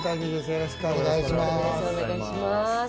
よろしくお願いします。